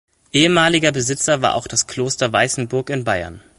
Ehemaliger Besitzer war auch das Kloster Weißenburg in Bayern.